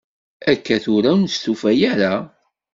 Akka tura ur nestufa ara.